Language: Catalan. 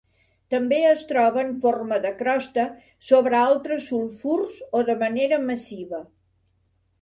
També es troba en forma de crosta sobre altres sulfurs o de manera massiva.